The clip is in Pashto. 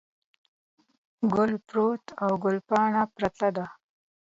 ګل پروت او ګل پاڼه پرته ده.